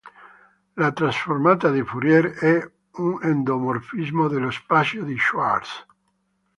La trasformata di Fourier è un endomorfismo dello spazio di Schwartz.